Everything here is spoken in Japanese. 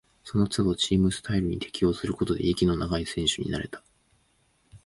そのつどチームスタイルに適応することで、息の長い選手になれた